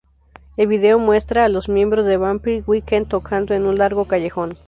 El video muestra a los miembros de Vampire Weekend tocando en un largo callejón.